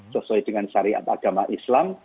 sesuai dengan syariat agama islam